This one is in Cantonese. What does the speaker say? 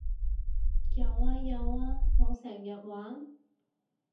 有呀有呀我成日玩